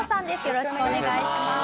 よろしくお願いします。